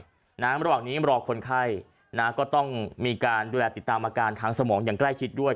ระหว่างนี้รอคนไข้นะก็ต้องมีการดูแลติดตามอาการทางสมองอย่างใกล้ชิดด้วย